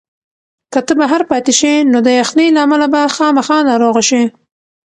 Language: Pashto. که ته بهر پاتې شې نو د یخنۍ له امله به خامخا ناروغه شې.